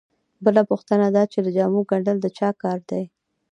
بله پوښتنه دا چې د جامو ګنډل د چا کار دی